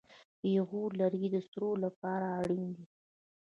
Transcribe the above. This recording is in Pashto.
پېغور لرګی د سړو لپاره اړین دی.